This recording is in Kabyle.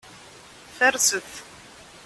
Farset.